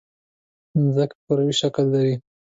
مځکه کروي شکل لري.